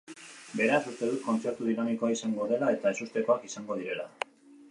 Beraz, uste dut kontzertu dinamikoa izango dela eta ezustekoak izango direla.